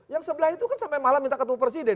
yang sebelah itu kan sampai malam minta ketemu presiden